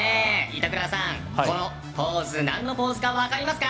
板倉さん、このポーズ何のポーズか分かりますか？